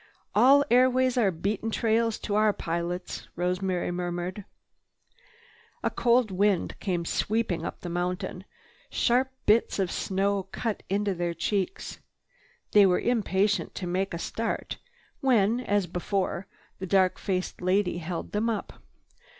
"All airways are beaten trails to our pilots," Rosemary murmured. A cold wind came sweeping up the mountain. Sharp bits of snow cut at their cheeks. They were impatient to make a start when, as before, the dark faced lady held them up.